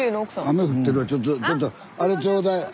雨降ってるからちょっとちょっとあれちょうだい。